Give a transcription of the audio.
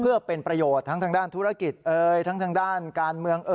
เพื่อเป็นประโยชน์ทั้งทางด้านธุรกิจทั้งทางด้านการเมือง